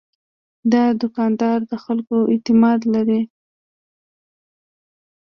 دا دوکاندار د خلکو اعتماد لري.